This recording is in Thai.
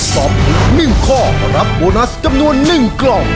ตอบถูก๑ข้อรับโบนัสจำนวน๑กล่อง